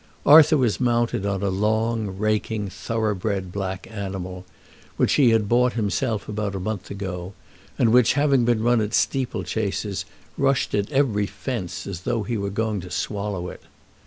Arthur was mounted on a long, raking thorough bred black animal, which he had bought himself about a month ago, and which, having been run at steeplechases, rushed at every fence as though he were going to swallow it.